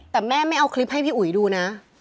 แต่แม่ไม่เอาคลิปให้พี่อุ๋ยดูนะ